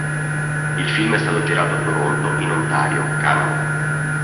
Il film è stato girato a Toronto in Ontario, Canada.